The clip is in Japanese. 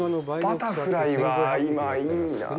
バタフライは、今いいなぁ。